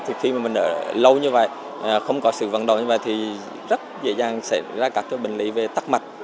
thì khi mà mình ở lâu như vậy không có sự vận động như vậy thì rất dễ dàng xảy ra các bệnh lý về tắc mạch